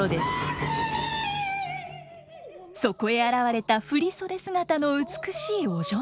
そこへ現れた振り袖姿の美しいお嬢様。